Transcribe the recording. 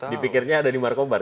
dipikirnya ada di markobar